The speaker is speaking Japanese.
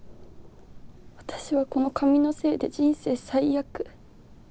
私はこの髪のせいで人生最悪。